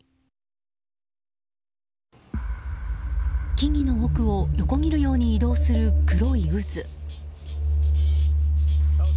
木々の奥を横切るように移動する、黒い渦。